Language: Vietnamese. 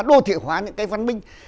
đô thị hóa những cái văn minh